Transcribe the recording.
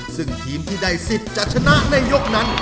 ซึ่งทีมที่ได้สิทธิ์จะชนะในยกนั้น